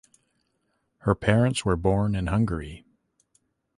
Her parents were born in Hungary.